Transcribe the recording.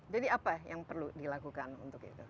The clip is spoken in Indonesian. jadi apa yang perlu dilakukan untuk itu